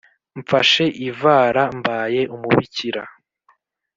Mfashe ivara mbaye umubikira